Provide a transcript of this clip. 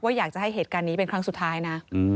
อยากจะให้เหตุการณ์นี้เป็นครั้งสุดท้ายนะ